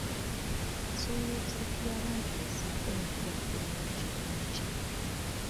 Asobola okusakira abantu be ssaako n’okulaakulanya ekitundu kye.